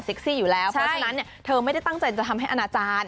อยู่แล้วเพราะฉะนั้นเนี่ยเธอไม่ได้ตั้งใจจะทำให้อนาจารย์